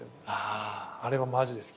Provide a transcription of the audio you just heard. あれはマジで好き。